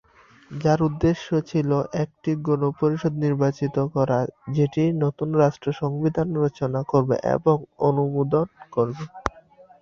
যার উদ্দেশ্য ছিল, একটি গণপরিষদ নির্বাচিত করা, যেটি নতুন রাষ্ট্র সংবিধান রচনা করবে এবং অনুমোদন করবে।